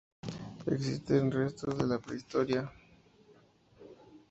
Existen restos de la prehistoria.